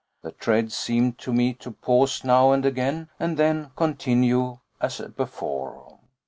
The tread seemed to me to pause now and again, and then continue as before.